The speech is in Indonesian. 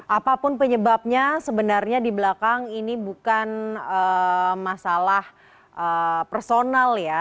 apapun penyebabnya sebenarnya di belakang ini bukan masalah personal ya